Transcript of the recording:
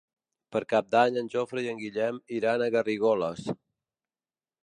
Per Cap d'Any en Jofre i en Guillem iran a Garrigoles.